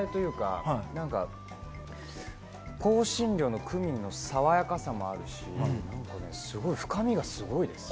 香辛料のクミンの爽やかさもあるし、深みがすごいです。